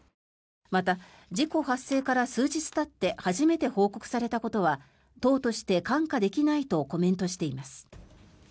また、事故発生から数日たって初めて報告されたことは党として看過できないとコメントしています。